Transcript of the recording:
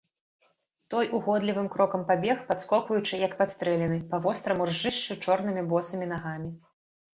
Той угодлівым крокам пабег, падскокваючы, як падстрэлены, па востраму ржышчу чорнымі босымі нагамі.